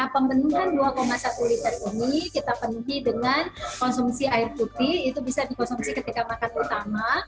pembenihan dua satu liter ini kita penuhi dengan konsumsi air putih itu bisa dikonsumsi ketika makan utama